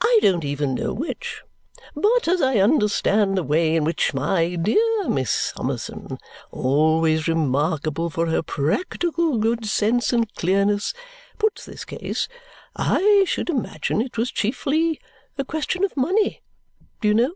"I don't even know which; but as I understand the way in which my dear Miss Summerson (always remarkable for her practical good sense and clearness) puts this case, I should imagine it was chiefly a question of money, do you know?"